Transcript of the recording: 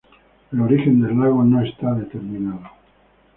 El origen del lago no está determinado.